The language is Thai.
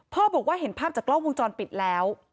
บอกว่าเห็นภาพจากกล้องวงจรปิดแล้ว